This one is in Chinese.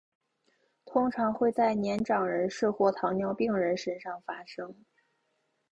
通常会在年长人士或糖尿病人身上发生。